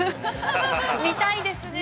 ◆見たいですねー。